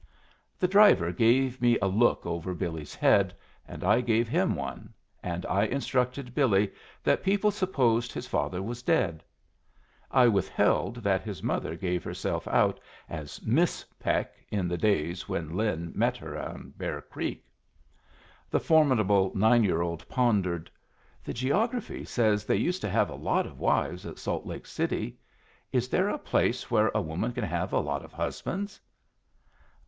The driver gave me a look over Billy's head, and I gave him one; and I instructed Billy that people supposed his father was dead. I withheld that his mother gave herself out as Miss Peck in the days when Lin met her on Bear Creek. The formidable nine year old pondered. "The geography says they used to have a lot of wives at Salt Lake City. Is there a place where a woman can have a lot of husbands?"